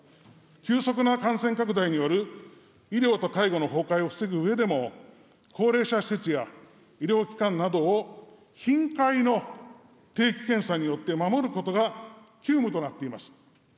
急速な感染拡大による医療と介護の崩壊を防ぐうえでも、高齢者施設や医療機関などを頻回の定期検査によって守ることが急務となっています。